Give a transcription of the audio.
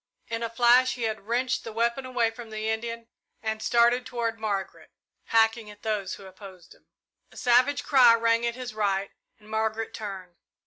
In a flash he had wrenched the weapon away from the Indian and started toward Margaret, hacking at those who opposed him. A savage cry rang at his right, and Margaret turned.